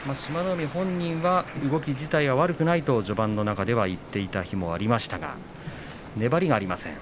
海本人は動き自体は悪くないと序盤では言っていた日もありましたが粘りがありません。